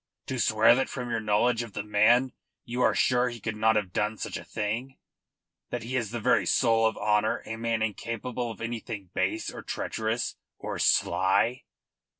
To swear that from your knowledge of the man you are sure he could not have done such a thing? That he is the very soul of honour, a man incapable of anything base or treacherous or sly?"